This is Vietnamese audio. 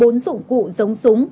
bốn dụng cụ giống súng